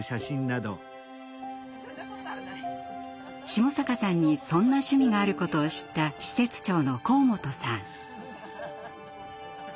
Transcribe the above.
下坂さんにそんな趣味があることを知った施設長の河本さん。